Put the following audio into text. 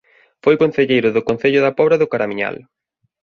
Foi concelleiro do Concello da Pobra do Caramiñal.